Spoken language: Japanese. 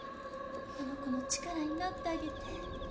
あの子の力になってあげて。